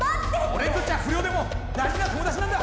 俺にとっちゃ不良でも大事な友達なんだ！